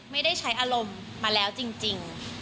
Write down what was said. ไม่ได้ใช้อารมณ์มาแล้วจริง